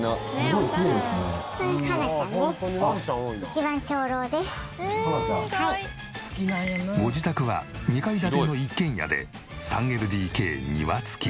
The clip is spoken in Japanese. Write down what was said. ご自宅は２階建ての一軒家で３ＬＤＫ庭付き。